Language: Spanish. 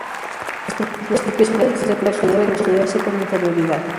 Las propiedades de estas placas deben estudiarse con anterioridad.